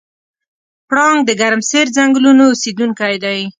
پړانګ د ګرمسیر ځنګلونو اوسېدونکی دی.